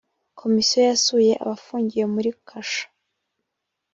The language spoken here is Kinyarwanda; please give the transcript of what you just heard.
komisiyo yasuye abafungiye muri kasho.